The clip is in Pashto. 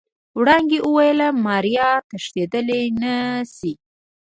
وړانګې وويل ماريا تښتېدل نشي.